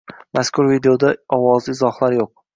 Mazkur videoda ovozli izohlar yo‘q.